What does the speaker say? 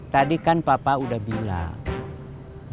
tadi kan papa udah bilang